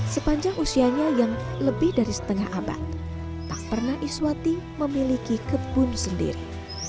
sepanjang usianya yang lebih dari setengah abad tak pernah iswati memiliki kebun sendiri